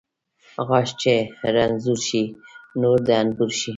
غاښ چې رنځور شي ، نور د انبور شي .